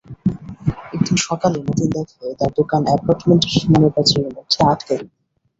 একদিন সকালে মতিন দেখে, তার দোকান অ্যাপার্টমেন্টের সীমানাপ্রাচীরের মধ্যে আটকে গেছে।